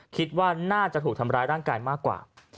คิดว่าน่าจะถูกทำร้ายร่างกายมากกว่า